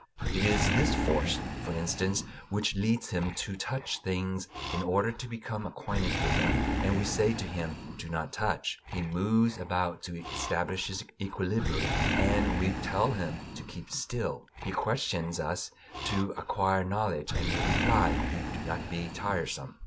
It is this force, for instance, which leads him to touch things in order to become acquainted with them, and we say to him, "Do not touch"; he moves about to establish his equilibrium, and we tell him to "keep still"; he questions us to acquire knowledge, and we reply, "Do not be tiresome."